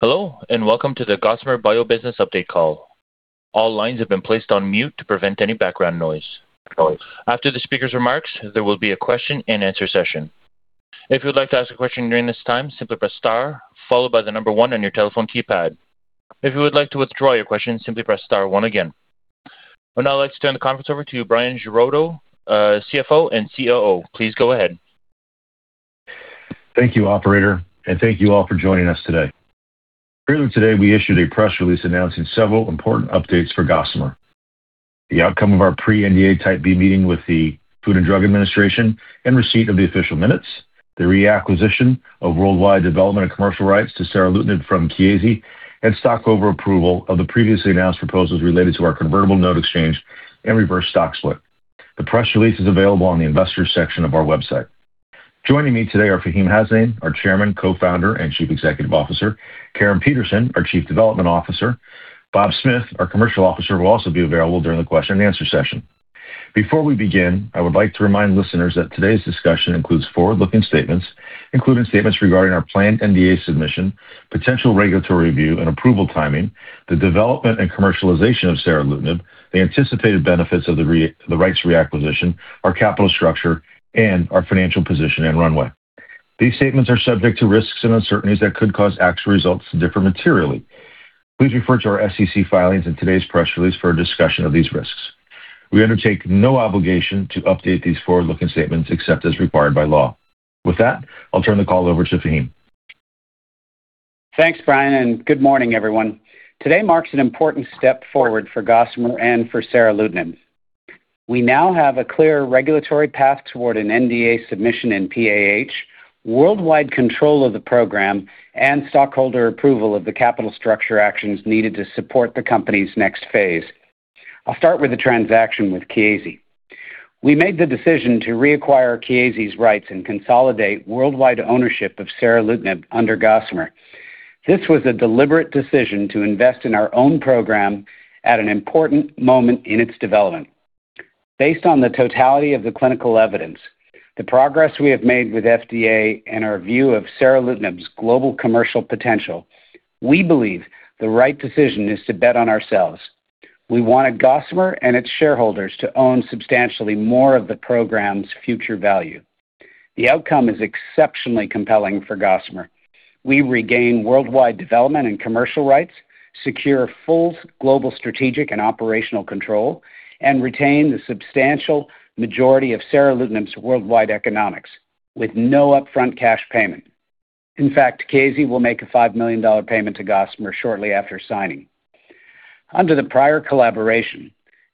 Hello, and welcome to the Gossamer Bio Business update call. All lines have been placed on mute to prevent any background noise. After the speaker's remarks, there will be a question and answer session. If you would like to ask a question during this time, simply press star one on your telephone keypad. If you would like to withdraw your question, simply press star one again. I would now like to turn the conference over to Bryan Giraudo, CFO and COO. Please go ahead. Thank you, operator. Thank you all for joining us today. Earlier today, we issued a press release announcing several important updates for Gossamer. The outcome of our Pre-NDA Type B meeting with the Food and Drug Administration and receipt of the official minutes, the reacquisition of worldwide development and commercial rights to seralutinib from Chiesi, and stockholder approval of the previously announced proposals related to our convertible note exchange and reverse stock split. The press release is available on the investors section of our website. Joining me today are Faheem Hasnain, our Chairman, Co-Founder, and Chief Executive Officer, Caryn Peterson, our Chief Development Officer. Robert Smith, our Commercial Officer, will also be available during the question and answer session. Before we begin, I would like to remind listeners that today's discussion includes forward-looking statements, including statements regarding our planned NDA submission, potential regulatory review and approval timing, the development and commercialization of seralutinib, the anticipated benefits of the rights reacquisition, our capital structure, and our financial position and runway. These statements are subject to risks and uncertainties that could cause actual results to differ materially. Please refer to our SEC filings and today's press release for a discussion of these risks. We undertake no obligation to update these forward-looking statements except as required by law. With that, I will turn the call over to Faheem. Thanks, Bryan. Good morning, everyone. Today marks an important step forward for Gossamer and for seralutinib. We now have a clear regulatory path toward an NDA submission in PAH, worldwide control of the program, and stockholder approval of the capital structure actions needed to support the company's next phase. I will start with the transaction with Chiesi. We made the decision to reacquire Chiesi's rights and consolidate worldwide ownership of seralutinib under Gossamer. This was a deliberate decision to invest in our own program at an important moment in its development. Based on the totality of the clinical evidence, the progress we have made with FDA, and our view of seralutinib's global commercial potential, we believe the right decision is to bet on ourselves. We wanted Gossamer and its shareholders to own substantially more of the program's future value. The outcome is exceptionally compelling for Gossamer. We regain worldwide development and commercial rights, secure full global strategic and operational control, and retain the substantial majority of seralutinib's worldwide economics with no upfront cash payment. In fact, Chiesi will make a $5 million payment to Gossamer shortly after signing. Under the prior collaboration,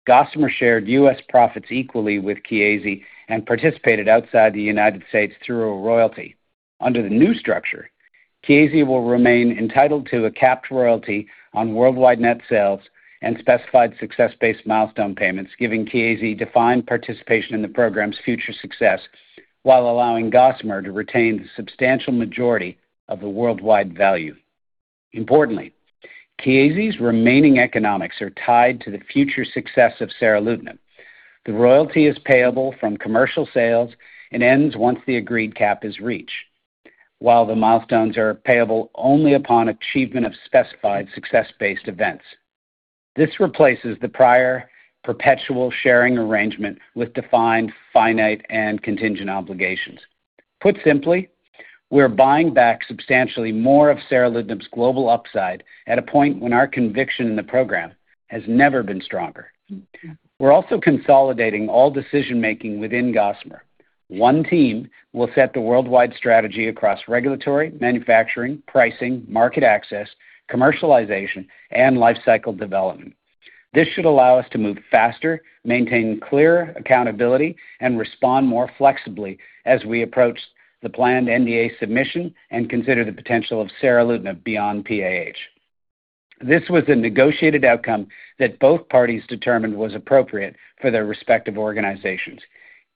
Gossamer shared U.S. profits equally with Chiesi and participated outside the United States through a royalty. Under the new structure, Chiesi will remain entitled to a capped royalty on worldwide net sales and specified success-based milestone payments, giving Chiesi defined participation in the program's future success while allowing Gossamer to retain the substantial majority of the worldwide value. Chiesi's remaining economics are tied to the future success of seralutinib. The royalty is payable from commercial sales and ends once the agreed cap is reached. The milestones are payable only upon achievement of specified success-based events. This replaces the prior perpetual sharing arrangement with defined finite and contingent obligations. Put simply, we're buying back substantially more of seralutinib's global upside at a point when our conviction in the program has never been stronger. We're also consolidating all decision-making within Gossamer. One team will set the worldwide strategy across regulatory, manufacturing, pricing, market access, commercialization, and lifecycle development. This should allow us to move faster, maintain clear accountability, and respond more flexibly as we approach the planned NDA submission and consider the potential of seralutinib beyond PAH. This was a negotiated outcome that both parties determined was appropriate for their respective organizations.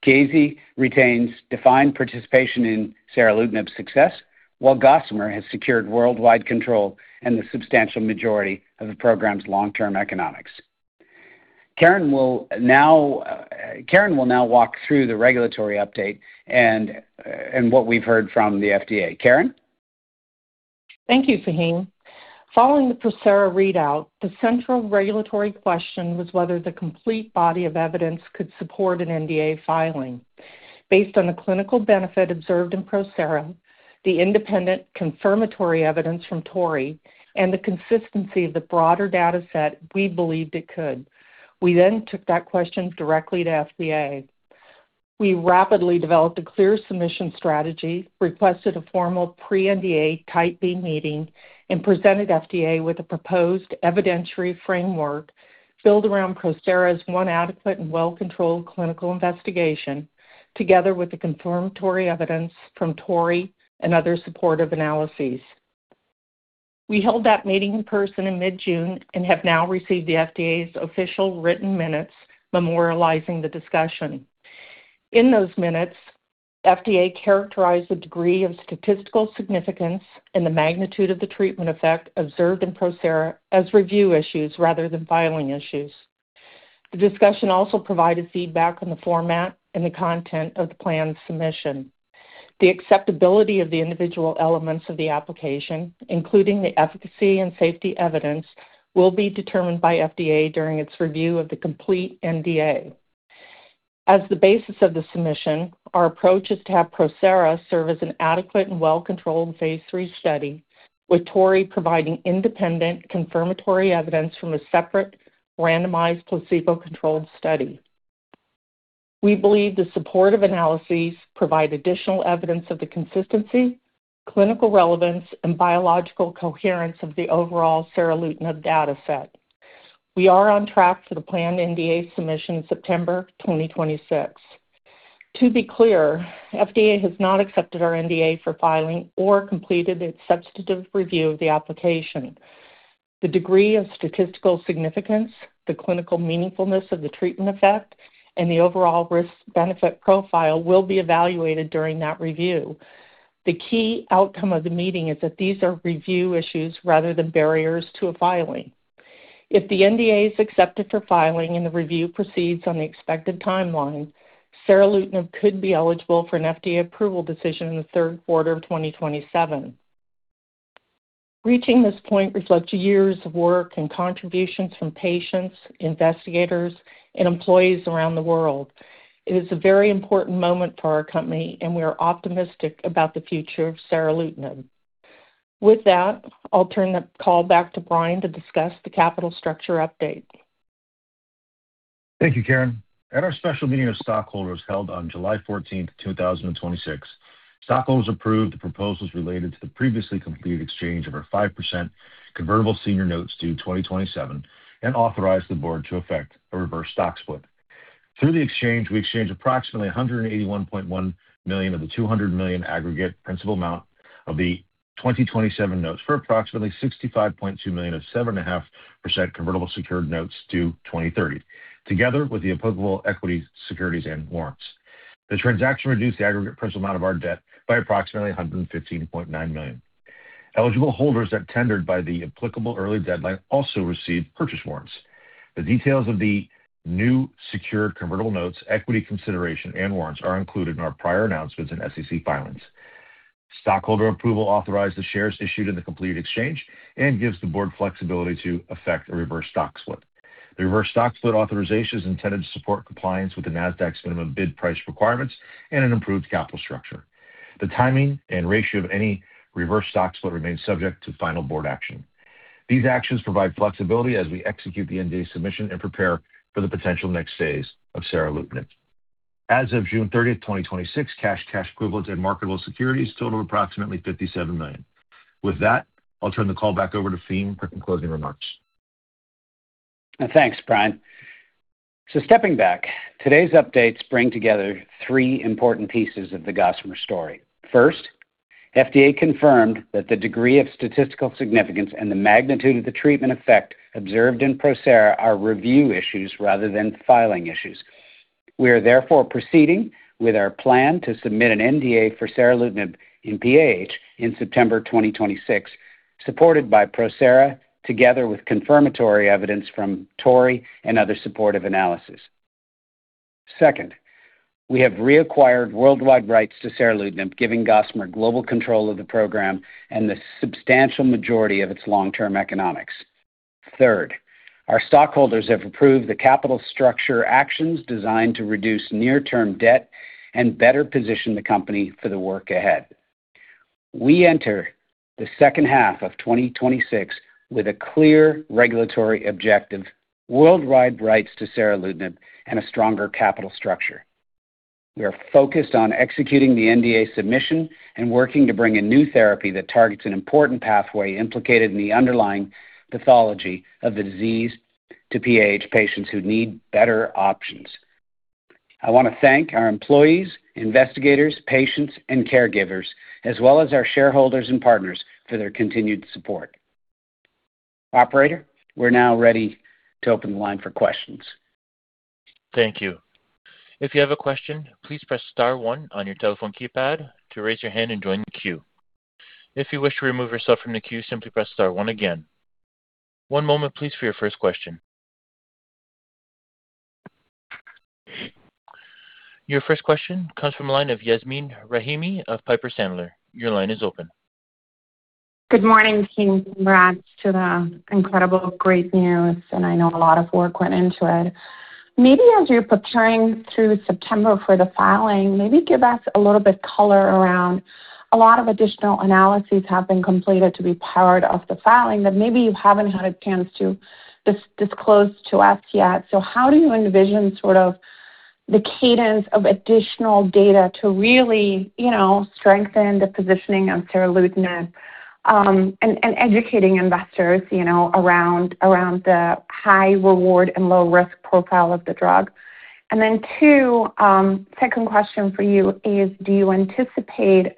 Chiesi retains defined participation in seralutinib's success, while Gossamer has secured worldwide control and the substantial majority of the program's long-term economics. Caryn will now walk through the regulatory update and what we've heard from the FDA. Caryn? Thank you, Faheem. Following the PROSERA readout, the central regulatory question was whether the complete body of evidence could support an NDA filing. Based on the clinical benefit observed in PROSERA, the independent confirmatory evidence from TORREY, and the consistency of the broader data set, we believed it could. We took that question directly to FDA. We rapidly developed a clear submission strategy, requested a formal Pre-NDA Type B meeting, and presented FDA with a proposed evidentiary framework built around PROSERA's one adequate and well-controlled clinical investigation, together with the confirmatory evidence from TORREY and other supportive analyses. We held that meeting in person in mid-June and have now received the FDA's official written minutes memorializing the discussion. In those minutes, FDA characterized the degree of statistical significance and the magnitude of the treatment effect observed in PROSERA as review issues rather than filing issues. The discussion also provided feedback on the format and the content of the planned submission. The acceptability of the individual elements of the application, including the efficacy and safety evidence, will be determined by FDA during its review of the complete NDA. As the basis of the submission, our approach is to have PROSERA serve as an adequate and well-controlled phase III study, with TORREY providing independent confirmatory evidence from a separate randomized placebo-controlled study. We believe the supportive analyses provide additional evidence of the consistency, clinical relevance, and biological coherence of the overall seralutinib data set. We are on track for the planned NDA submission September 2026. To be clear, FDA has not accepted our NDA for filing or completed its substantive review of the application. The degree of statistical significance, the clinical meaningfulness of the treatment effect, and the overall risk-benefit profile will be evaluated during that review. The key outcome of the meeting is that these are review issues rather than barriers to a filing. If the NDA is accepted for filing and the review proceeds on the expected timeline, seralutinib could be eligible for an FDA approval decision in the third quarter of 2027. Reaching this point reflects years of work and contributions from patients, investigators, and employees around the world. It is a very important moment for our company, and we are optimistic about the future of seralutinib. With that, I'll turn the call back to Bryan to discuss the capital structure update. Thank you, Caryn. At our special meeting of stockholders held on July 14th, 2026, stockholders approved the proposals related to the previously completed exchange of our 5% convertible senior notes due 2027 and authorized the board to effect a reverse stock split. Through the exchange, we exchanged approximately $181.1 million of the $200 million aggregate principal amount of the 2027 notes for approximately $65.2 million of 7.5% convertible secured notes due 2030, together with the applicable equity securities and warrants. The transaction reduced the aggregate principal amount of our debt by approximately $115.9 million. Eligible holders that tendered by the applicable early deadline also received purchase warrants. The details of the new secured convertible notes, equity consideration, and warrants are included in our prior announcements and SEC filings. Stockholder approval authorized the shares issued in the complete exchange and gives the board flexibility to effect a reverse stock split. The reverse stock split authorization is intended to support compliance with the Nasdaq's minimum bid price requirements and an improved capital structure. The timing and ratio of any reverse stock split remains subject to final board action. These actions provide flexibility as we execute the NDA submission and prepare for the potential next phase of seralutinib. As of June 30th, 2026, cash equivalents, and marketable securities total approximately $57 million. With that, I'll turn the call back over to Faheem for concluding remarks. Thanks, Bryan. Stepping back, today's updates bring together three important pieces of the Gossamer story. First, FDA confirmed that the degree of statistical significance and the magnitude of the treatment effect observed in PROSERA are review issues rather than filing issues. We are therefore proceeding with our plan to submit an NDA for seralutinib in PAH in September 2026, supported by PROSERA together with confirmatory evidence from TORREY and other supportive analysis. Second, we have reacquired worldwide rights to seralutinib, giving Gossamer global control of the program and the substantial majority of its long-term economics. Third, our stockholders have approved the capital structure actions designed to reduce near-term debt and better position the company for the work ahead. We enter the second half of 2026 with a clear regulatory objective, worldwide rights to seralutinib, and a stronger capital structure. We are focused on executing the NDA submission and working to bring a new therapy that targets an important pathway implicated in the underlying pathology of the disease to PAH patients who need better options. I want to thank our employees, investigators, patients, and caregivers, as well as our shareholders and partners for their continued support. Operator, we're now ready to open the line for questions. Thank you. If you have a question, please press star one on your telephone keypad to raise your hand and join the queue. If you wish to remove yourself from the queue, simply press star one again. One moment please for your first question. Your first question comes from the line of Yasmeen Rahimi of Piper Sandler. Your line is open. Good morning, team. Congrats to the incredible great news. I know a lot of work went into it. Maybe as you're preparing through September for the filing, maybe give us a little bit color around a lot of additional analyses have been completed to be part of the filing that maybe you haven't had a chance to disclose to us yet. How do you envision sort of the cadence of additional data to really strengthen the positioning of seralutinib, and educating investors around the high reward and low risk profile of the drug? Two, second question for you is, do you anticipate,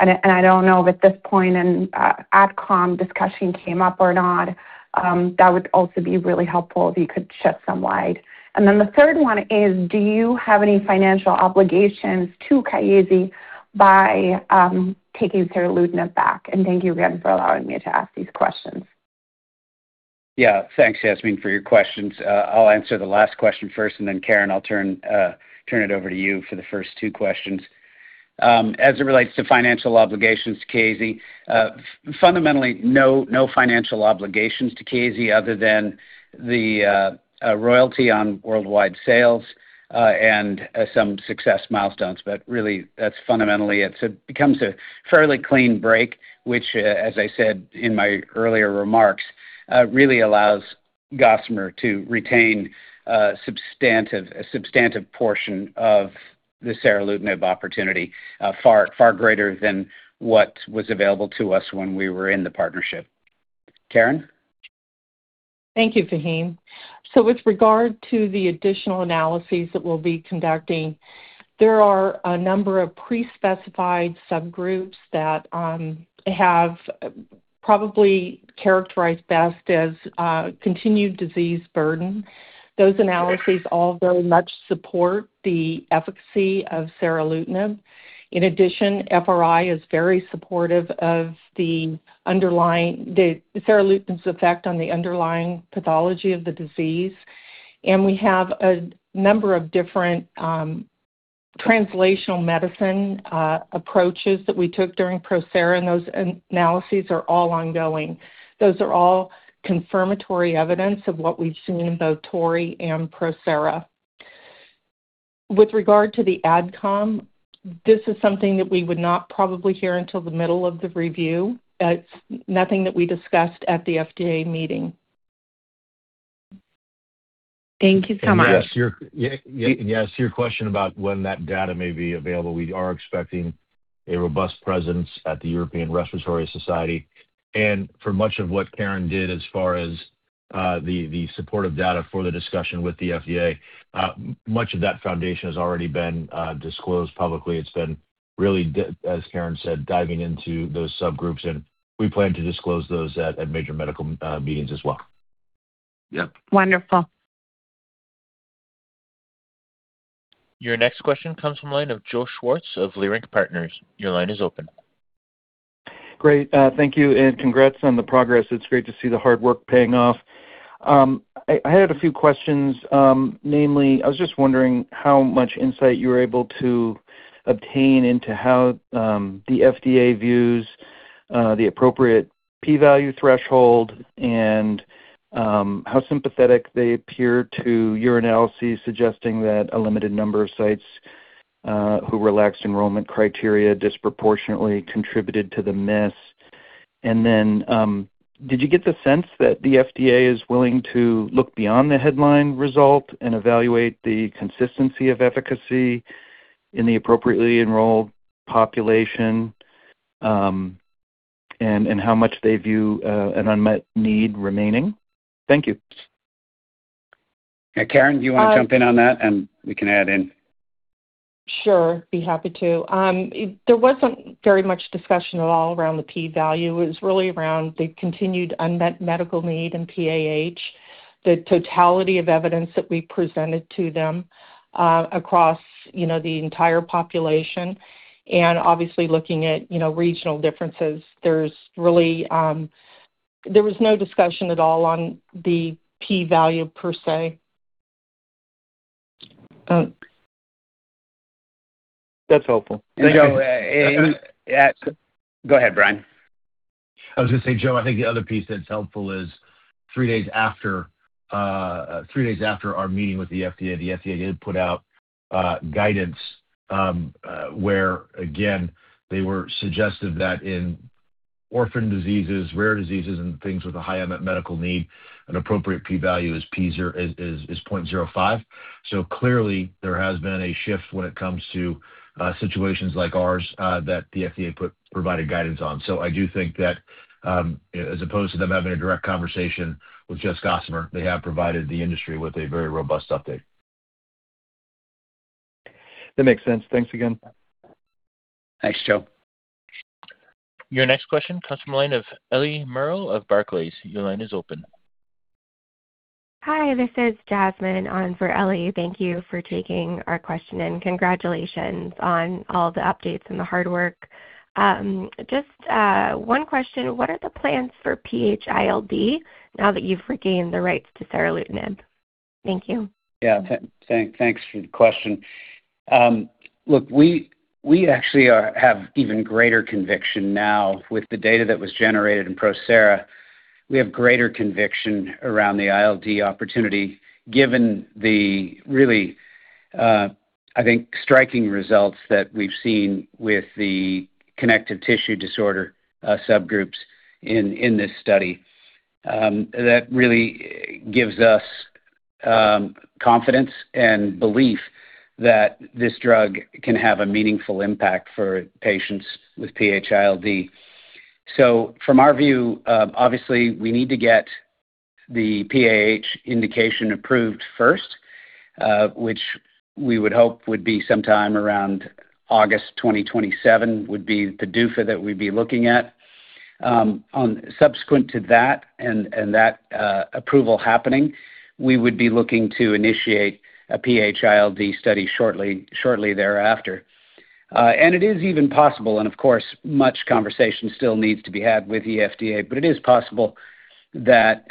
and I don't know if at this point an AdCom discussion came up or not, that would also be really helpful if you could shed some light. The third one is, do you have any financial obligations to Chiesi by taking seralutinib back? Thank you again for allowing me to ask these questions. Thanks, Yasmeen, for your questions. I'll answer the last question first, and then Caryn, I'll turn it over to you for the first two questions. As it relates to financial obligations to Chiesi, fundamentally, no financial obligations to Chiesi other than the royalty on worldwide sales and some success milestones. Really, that's fundamentally, it becomes a fairly clean break, which, as I said in my earlier remarks, really allows Gossamer to retain a substantive portion of the seralutinib opportunity, far greater than what was available to us when we were in the partnership. Caryn? Thank you, Faheem. With regard to the additional analyses that we'll be conducting, there are a number of pre-specified subgroups that have probably characterized best as continued disease burden. Those analyses all very much support the efficacy of seralutinib. In addition, FRI is very supportive of seralutinib's effect on the underlying pathology of the disease. We have a number of different translational medicine approaches that we took during PROSERA, and those analyses are all ongoing. Those are all confirmatory evidence of what we've seen in both TORREY and PROSERA. With regard to the AdCom, this is something that we would not probably hear until the middle of the review. It's nothing that we discussed at the FDA meeting. Thank you so much. Yes, to your question about when that data may be available, we are expecting a robust presence at the European Respiratory Society. For much of what Caryn did as far as the supportive data for the discussion with the FDA, much of that foundation has already been disclosed publicly. It's been really, as Caryn said, diving into those subgroups, and we plan to disclose those at major medical meetings as well. Yep. Wonderful. Your next question comes from the line of Joe Schwartz of Leerink Partners. Your line is open. Great. Thank you, congrats on the progress. It's great to see the hard work paying off. I had a few questions. Namely, I was just wondering how much insight you were able to obtain into how the FDA views the appropriate p-value threshold and how sympathetic they appear to your analyses suggesting that a limited number of sites who relaxed enrollment criteria disproportionately contributed to the miss. Did you get the sense that the FDA is willing to look beyond the headline result and evaluate the consistency of efficacy in the appropriately enrolled population, how much they view an unmet need remaining? Thank you. Caryn, do you want to jump in on that, we can add in? Sure. Be happy to. There wasn't very much discussion at all around the p-value. It was really around the continued unmet medical need in PAH, the totality of evidence that we presented to them across the entire population, obviously looking at regional differences. There was no discussion at all on the p-value per se. That's helpful. Thank you. Go ahead, Bryan. I was going to say, Joe, I think the other piece that's helpful is three days after our meeting with the FDA, the FDA did put out guidance where again, they were suggestive that in orphan diseases, rare diseases, and things with a high unmet medical need, an appropriate p-value is 0.05. Clearly there has been a shift when it comes to situations like ours that the FDA provided guidance on. I do think that as opposed to them having a direct conversation with just Gossamer, they have provided the industry with a very robust update. That makes sense. Thanks again. Thanks, Joe. Your next question comes from the line of Eliana Merle. Your line is open. Hi, this is Jasmine on for Elli. Thank you for taking our question, and congratulations on all the updates and the hard work. Just one question. What are the plans for PH-ILD now that you've regained the rights to seralutinib? Thank you. Yeah. Thanks for the question. Look, we actually have even greater conviction now with the data that was generated in PROSERA. We have greater conviction around the ILD opportunity given the really, I think, striking results that we've seen with the connective tissue disease subgroups in this study. That really gives us confidence and belief that this drug can have a meaningful impact for patients with PAH-ILD. From our view, obviously, we need to get the PAH indication approved first, which we would hope would be sometime around August 2027, would be the PDUFA that we'd be looking at. Subsequent to that and that approval happening, we would be looking to initiate a PAH-ILD study shortly thereafter. It is even possible, and of course, much conversation still needs to be had with the FDA, but it is possible that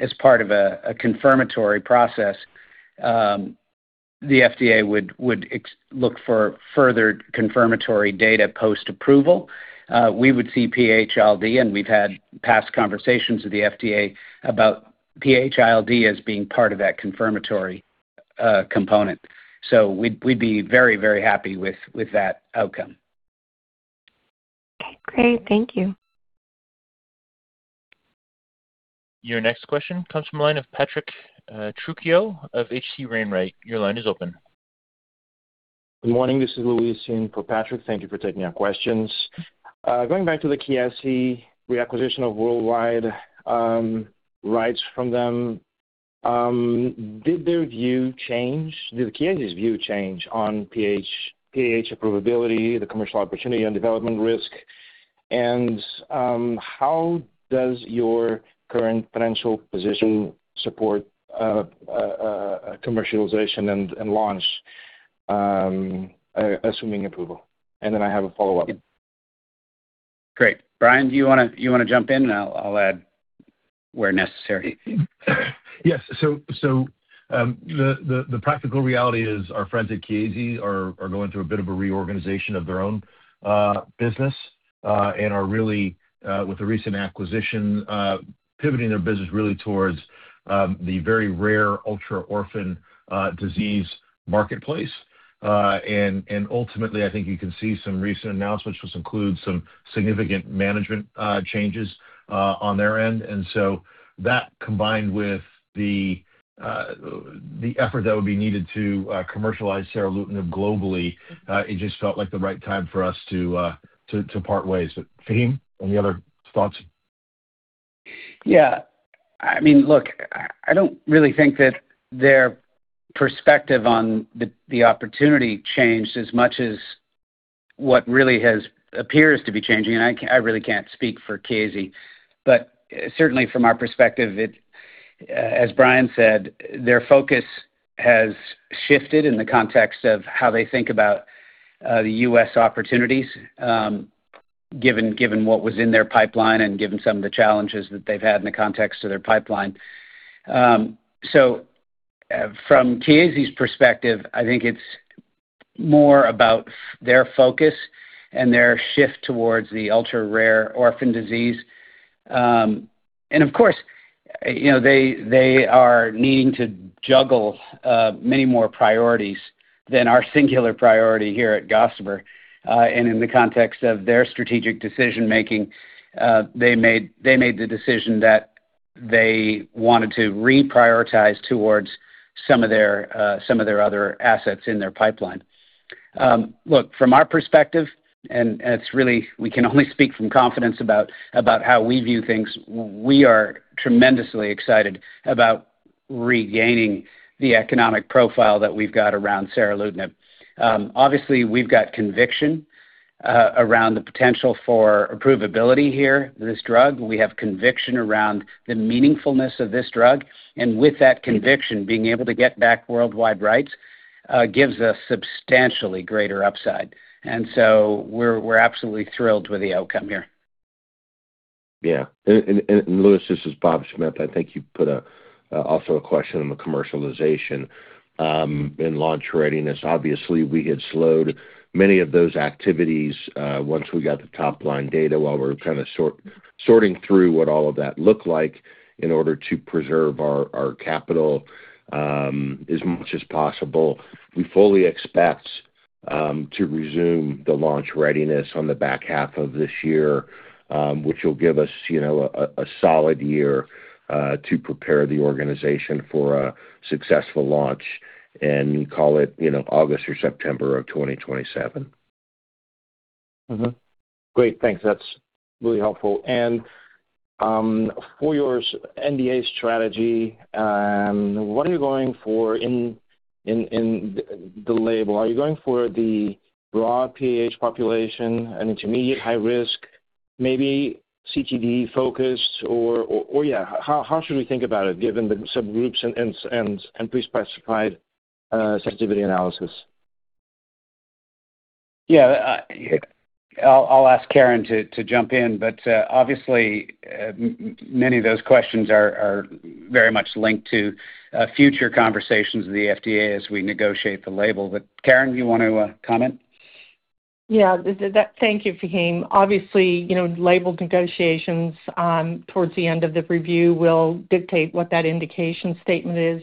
as part of a confirmatory process, the FDA would look for further confirmatory data post-approval. We would see PH-ILD, and we've had past conversations with the FDA about PAH-ILD as being part of that confirmatory component. So we'd be very, very happy with that outcome. Okay, great. Thank you. Your next question comes from the line of Patrick Trucchio of H.C. Wainwright. Your line is open. Good morning. This is Luis in for Patrick. Thank you for taking our questions. Going back to the Chiesi reacquisition of worldwide rights from them, did their view change? Did Chiesi's view change on PAH approvability, the commercial opportunity, and development risk? How does your current financial position support commercialization and launch, assuming approval? Then I have a follow-up. Great. Bryan, do you want to jump in, and I'll add where necessary? Yes. The practical reality is our friends at Chiesi are going through a bit of a reorganization of their own business and are really, with the recent acquisition, pivoting their business really towards the very rare ultra-orphan disease marketplace. Ultimately, I think you can see some recent announcements which include some significant management changes on their end. That, combined with the effort that would be needed to commercialize seralutinib globally, it just felt like the right time for us to part ways. Faheem, any other thoughts? Yeah. Look, I don't really think that their perspective on the opportunity changed as much as what really appears to be changing, and I really can't speak for Chiesi. Certainly, from our perspective, as Bryan said, their focus has shifted in the context of how they think about the U.S. opportunities, given what was in their pipeline and given some of the challenges that they've had in the context of their pipeline. From Chiesi's perspective, I think it's more about their focus and their shift towards the ultra-rare orphan disease. Of course, they are needing to juggle many more priorities than our singular priority here at Gossamer. In the context of their strategic decision-making, they made the decision that they wanted to reprioritize towards some of their other assets in their pipeline. Look, from our perspective, and we can only speak from confidence about how we view things, we are tremendously excited about regaining the economic profile that we've got around seralutinib. Obviously, we've got conviction around the potential for approvability here of this drug. We have conviction around the meaningfulness of this drug. With that conviction, being able to get back worldwide rights gives us substantially greater upside. We're absolutely thrilled with the outcome here. Yeah. Luis, this is Robert Smith. I think you put also a question on the commercialization and launch readiness. Obviously, we had slowed many of those activities once we got the top-line data while we were kind of sorting through what all of that looked like in order to preserve our capital as much as possible. We fully expect to resume the launch readiness on the back half of this year, which will give us a solid year to prepare the organization for a successful launch in, call it, August or September of 2027. Mm-hmm. Great. Thanks. That's really helpful. For your NDA strategy, what are you going for in the label? Are you going for the raw PAH population, an intermediate high risk, maybe CTD focused, or yeah. How should we think about it given the subgroups and pre-specified sensitivity analysis? Yeah. I'll ask Caryn to jump in, obviously, many of those questions are very much linked to future conversations with the FDA as we negotiate the label. Caryn, do you want to comment? Yeah. Thank you, Faheem. Obviously, label negotiations towards the end of the review will dictate what that indication statement is,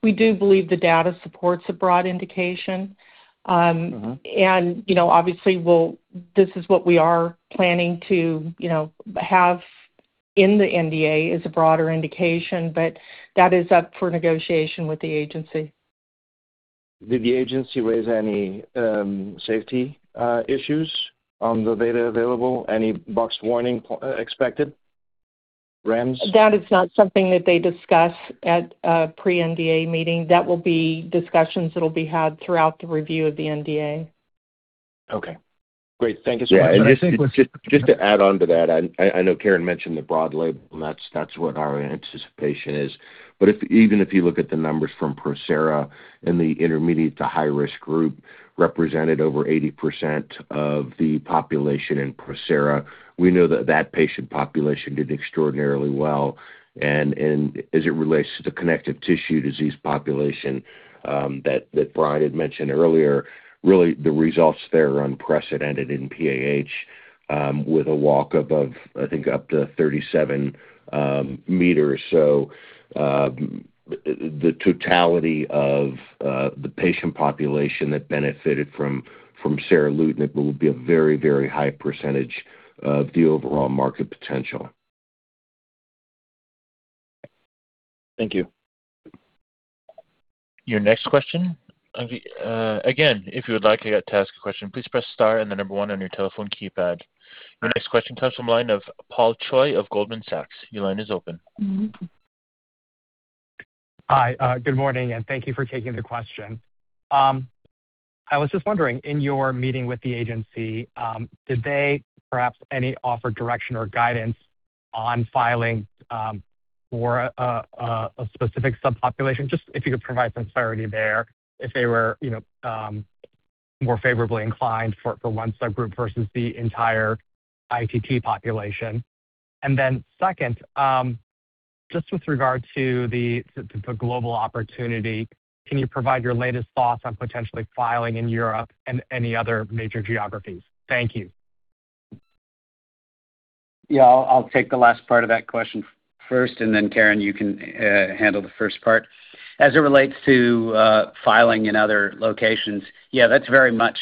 we do believe the data supports a broad indication. Obviously, this is what we are planning to have in the NDA, is a broader indication, but that is up for negotiation with the agency. Did the agency raise any safety issues on the data available? Any box warning expected? REMS? That is not something that they discuss at a pre-NDA meeting. That will be discussions that'll be had throughout the review of the NDA. Okay. Great. Thank you so much. Yeah. Just to add on to that, I know Caryn mentioned the broad label, and that's what our anticipation is. Even if you look at the numbers from PROSERA in the intermediate to high-risk group, represented over 80% of the population in PROSERA. We know that that patient population did extraordinarily well. As it relates to the connective tissue disease population that Bryan had mentioned earlier, really the results there are unprecedented in PAH with a walk above, I think up to 37 m. The totality of the patient population that benefited from seralutinib will be a very, very high percentage of the overall market potential. Thank you. Your next question. Again, if you would like to ask a question, please press star and the number one on your telephone keypad. Your next question comes from the line of Paul Choi of Goldman Sachs. Your line is open. Hi. Good morning, thank you for taking the question. I was just wondering, in your meeting with the agency, did they perhaps any offer direction or guidance on filing for a specific subpopulation? Just if you could provide some clarity there, if they were more favorably inclined for one subgroup versus the entire ITT population. Then second, just with regard to the global opportunity, can you provide your latest thoughts on potentially filing in Europe and any other major geographies? Thank you. I'll take the last part of that question first. Then Caryn, you can handle the first part. As it relates to filing in other locations, that's very much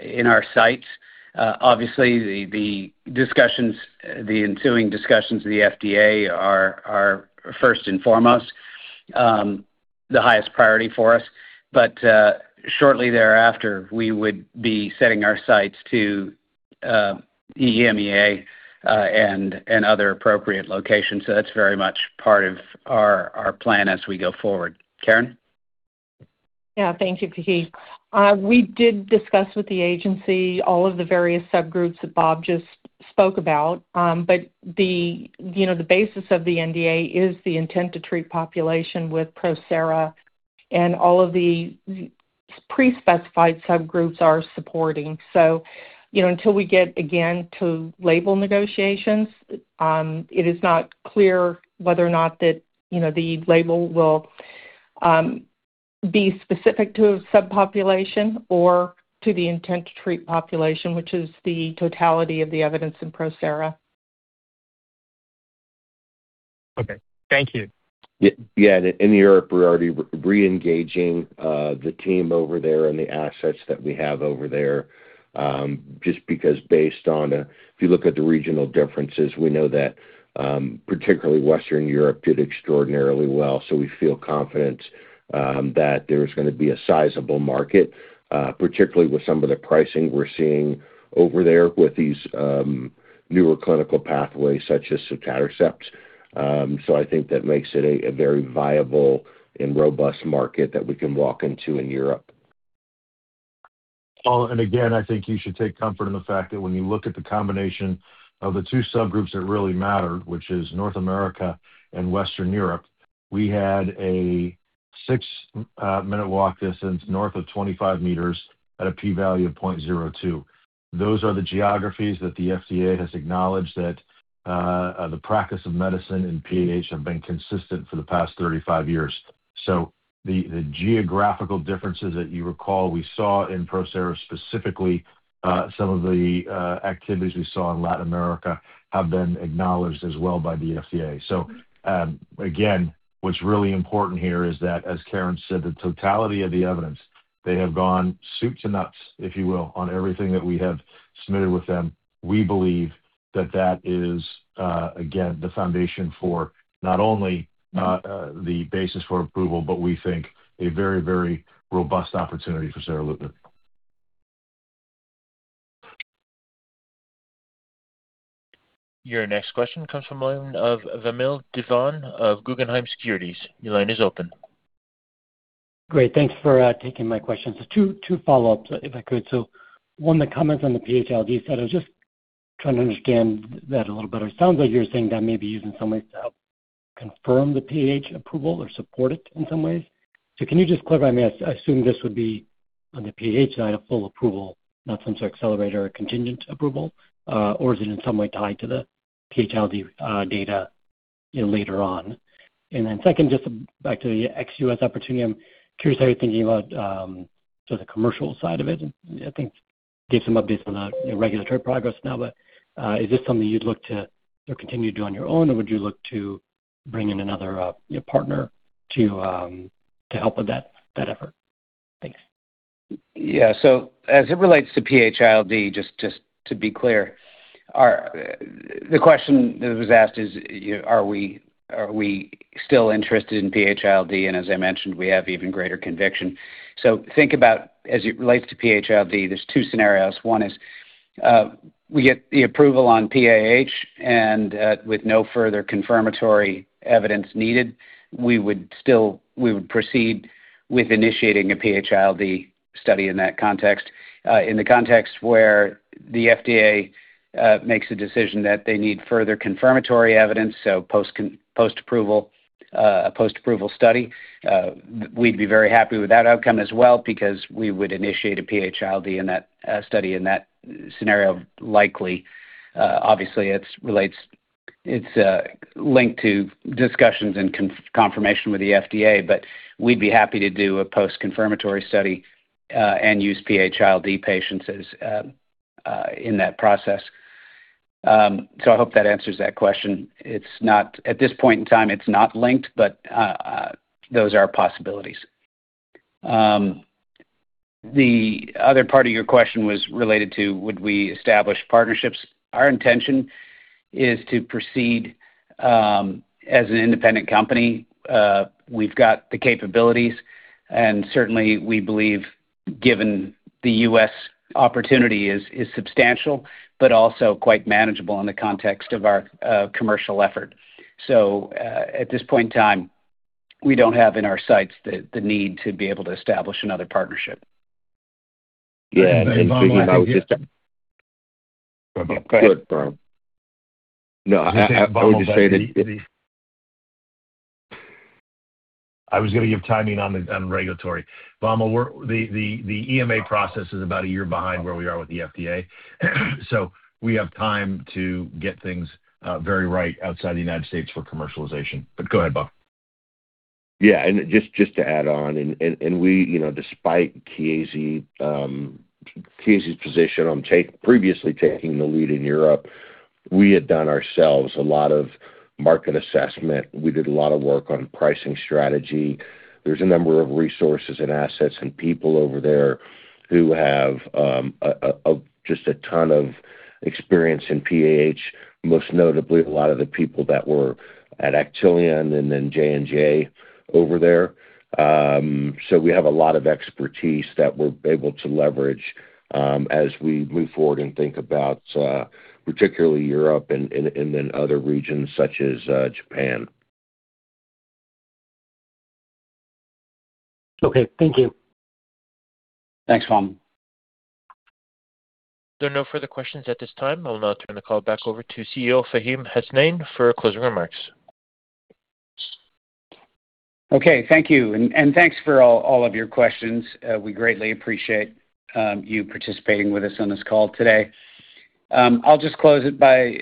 in our sights. Obviously, the ensuing discussions with the FDA are first and foremost the highest priority for us. Shortly thereafter, we would be setting our sights to EMEA and other appropriate locations. That's very much part of our plan as we go forward. Caryn? Thank you, Faheem. We did discuss with the agency all of the various subgroups that Bob just spoke about. The basis of the NDA is the intent-to-treat population with PROSERA, and all of the pre-specified subgroups are supporting. Until we get again to label negotiations, it is not clear whether or not that the label will be specific to a subpopulation or to the intent-to-treat population, which is the totality of the evidence in PROSERA. Okay. Thank you. In Europe, we're already reengaging the team over there and the assets that we have over there. Just because based on if you look at the regional differences, we know that particularly Western Europe did extraordinarily well. We feel confident that there is going to be a sizable market, particularly with some of the pricing we're seeing over there with these newer clinical pathways such as sotatercept. I think that makes it a very viable and robust market that we can walk into in Europe. Paul, again, I think you should take comfort in the fact that when you look at the combination of the two subgroups that really mattered, which is North America and Western Europe, we had a six-minute walk distance north of 25 m at a p-value of 0.02. Those are the geographies that the FDA has acknowledged that the practice of medicine and PAH have been consistent for the past 35 years. The geographical differences that you recall we saw in PROSERA, specifically some of the activities we saw in Latin America, have been acknowledged as well by the FDA. Again, what's really important here is that, as Caryn said, the totality of the evidence, they have gone soup to nuts, if you will, on everything that we have submitted with them. We believe that that is, again, the foundation for not only the basis for approval, but we think a very, very robust opportunity for seralutinib. Your next question comes from the line of Vamil Divan of Guggenheim Securities. Your line is open. Great. Thanks for taking my questions. Two follow-ups, if I could. One, the comments on the PH-ILD side, I was just trying to understand that a little better. It sounds like you're saying that may be used in some way to help confirm the PAH approval or support it in some ways. Can you just clarify? I assume this would be on the PAH side, a full approval, not some sort of accelerator or contingent approval. Or is it in some way tied to the PH-ILD data later on? Second, just back to the ex-U.S. opportunity. I'm curious how you're thinking about the commercial side of it. I think you gave some updates on the regulatory progress now, but is this something you'd look to or continue to do on your own, or would you look to bring in another partner to help with that effort? Thanks. Yeah. As it relates to PH-ILD, just to be clear, the question that was asked is, are we still interested in PH-ILD? As I mentioned, we have even greater conviction. Think about as it relates to PH-ILD, there's two scenarios. One is We get the approval on PAH, with no further confirmatory evidence needed, we would proceed with initiating a PH-ILD study in that context. In the context where the FDA makes a decision that they need further confirmatory evidence, a post-approval study, we'd be very happy with that outcome as well because we would initiate a PH-ILD in that study, in that scenario, likely. Obviously, it's linked to discussions and confirmation with the FDA, but we'd be happy to do a post-confirmatory study and use PH-ILD patients in that process. I hope that answers that question. At this point in time, it's not linked, but those are possibilities. The other part of your question was related to would we establish partnerships. Our intention is to proceed as an independent company. We've got the capabilities, and certainly, we believe, given the U.S. opportunity, is substantial, but also quite manageable in the context of our commercial effort. At this point in time, we don't have in our sights the need to be able to establish another partnership. Yeah. Vamil. Go ahead. I would just say that. I was going to give timing on regulatory. Bob, the EMA process is about a year behind where we are with the FDA. We have time to get things very right outside the United States for commercialization. Go ahead, Bob. Just to add on, and despite Chiesi's position on previously taking the lead in Europe, we had done ourselves a lot of market assessment. We did a lot of work on pricing strategy. There's a number of resources and assets and people over there who have just a ton of experience in PAH. Most notably, a lot of the people that were at Actelion and then J&J over there. We have a lot of expertise that we're able to leverage as we move forward and think about particularly Europe and then other regions such as Japan. Okay. Thank you. Thanks, Vamil. There are no further questions at this time. I'll now turn the call back over to CEO Faheem Hasnain for closing remarks. Okay. Thank you, and thanks for all of your questions. We greatly appreciate you participating with us on this call today. I'll just close it by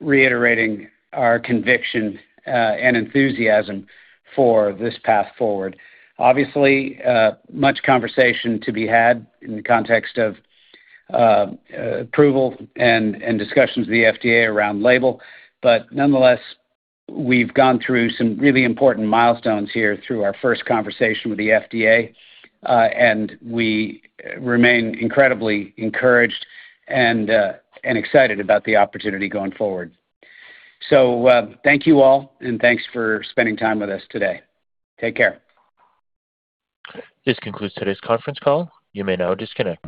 reiterating our conviction and enthusiasm for this path forward. Obviously, much conversation to be had in the context of approval and discussions with the FDA around label. Nonetheless, we've gone through some really important milestones here through our first conversation with the FDA. We remain incredibly encouraged and excited about the opportunity going forward. Thank you all, and thanks for spending time with us today. Take care. This concludes today's conference call. You may now disconnect.